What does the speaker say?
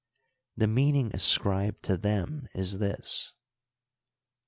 The meaning ascribed to them is this: i.